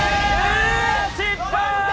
失敗！